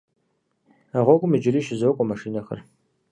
А гъуэгум иджыри щызокӏуэ машинэхэр.